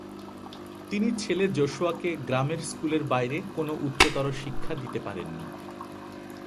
তিনি ছেলে জোশুয়াকে গ্রামের স্কুলের বাইরে কোনো উচ্চতর শিক্ষা দিতে পারেননি।